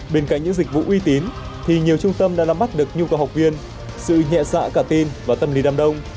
bên cạnh những dịch vụ uy tín thì nhiều trung tâm đã nắm bắt được nhu cầu học viên sự nhẹ dạ cả tin và tâm lý đám đông